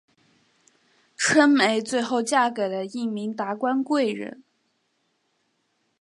春梅最后嫁给了一名达官贵人。